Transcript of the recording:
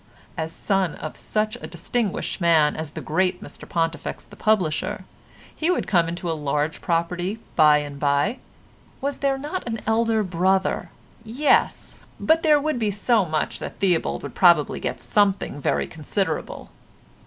As son of such a distinguished man as the great Mr Pontifex the publisher he would come into a large property by and by. Was there not an elder brother? Yes, but there would be so much that Theobald would probably get something very considerable.